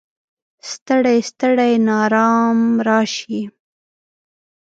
ستړی، ستړی ناارام راشي